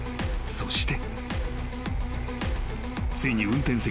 ［そして］